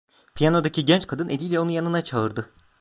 Piyanodaki genç kadın, eliyle onu yanına çağırdı.